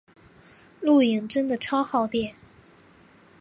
录影真的超耗电